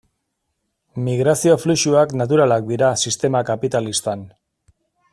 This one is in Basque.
Migrazio fluxuak naturalak dira sistema kapitalistan.